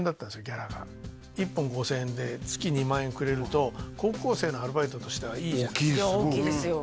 ギャラが１本５０００円で月２万円くれると高校生のアルバイトとしてはいいじゃないですかおっきいですよ